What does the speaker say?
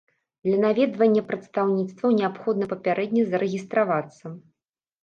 Для наведвання прадстаўніцтваў неабходна папярэдне зарэгістравацца.